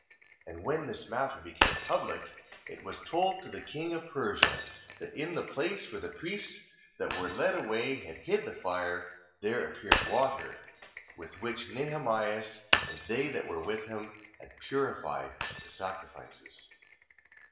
1:33. And when this matter became public, it was told to the king of Persia, that in the place where the priests that were led away, had hid the fire, there appeared water, with which Nehemias and they that were with him had purified the sacrifices.